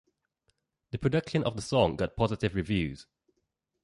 The production of the song got positive reviews.